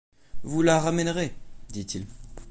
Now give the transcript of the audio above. Vous la ramènerez, dit-il.